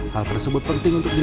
hal tersebut penting untuk dilakukan